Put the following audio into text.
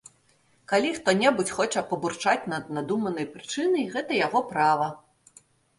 Калі хто-небудзь хоча пабурчаць над надуманай прычынай, гэта яго права.